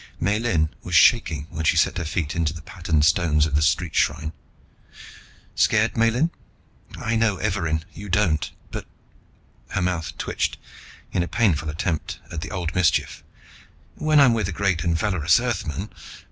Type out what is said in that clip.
Miellyn was shaking when she set her feet into the patterned stones of the street shrine. "Scared, Miellyn?" "I know Evarin. You don't. But" her mouth twitched in a pitiful attempt at the old mischief "when I am with a great and valorous Earthman...."